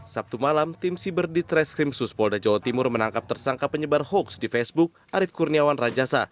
sabtu malam tim siber di treskrim suspolda jawa timur menangkap tersangka penyebar hoax di facebook arief kurniawan rajasa